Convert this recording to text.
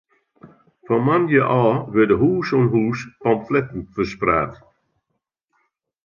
Fan moandei ôf wurde hûs oan hûs pamfletten ferspraat.